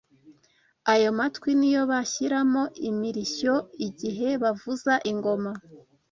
ayo matwi niyo bashyiramo imirishyo igihe bavuza ingoma